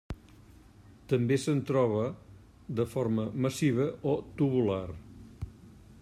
També se'n troba de forma massiva o tubular.